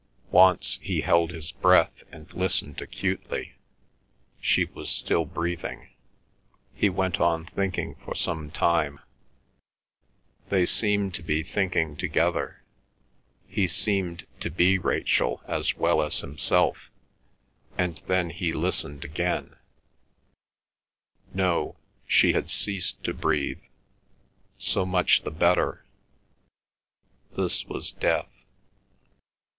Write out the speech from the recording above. Once he held his breath and listened acutely; she was still breathing; he went on thinking for some time; they seemed to be thinking together; he seemed to be Rachel as well as himself; and then he listened again; no, she had ceased to breathe. So much the better—this was death.